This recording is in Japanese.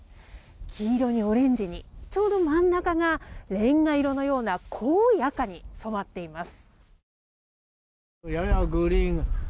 黄色にオレンジにちょうど真ん中がレンガ色のような濃い赤に染まっています。